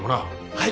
はい。